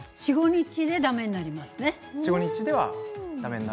４、５日でだめになりますね。